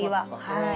はい。